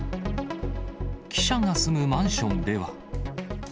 記者が住むマンションでは。